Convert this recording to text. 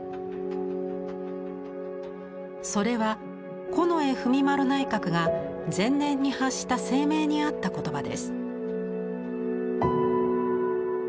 それは近衛文麿内閣が前年に発した声明にあった言葉です。